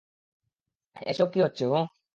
এসব কী হচ্ছে, হুহ?